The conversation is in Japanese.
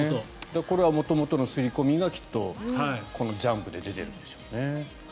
これは元々の刷り込みがきっとこのジャンプで出てるんでしょうね。